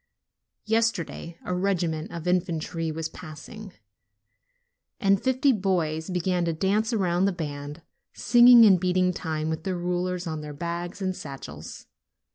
Yesterday a regiment of infan try was passing, and fifty boys began to dance around the band, singing and beating time with their rulers on their bags and satchels.